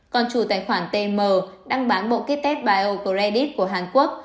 còn chủ tài khoản tm đang bán bộ kit test biocredit của hàn quốc